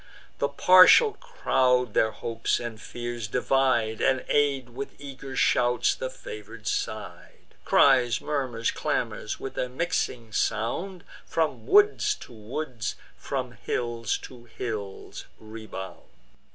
The partial crowd their hopes and fears divide, And aid with eager shouts the favour'd side. Cries, murmurs, clamours, with a mixing sound, From woods to woods, from hills to hills rebound.